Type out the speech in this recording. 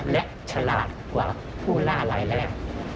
และฉลาดกว่าผู้ล่ารายแรก